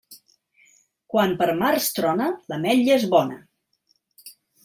Quan per març trona, l'ametlla és bona.